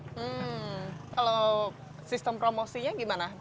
hmm kalau sistem promosinya gimana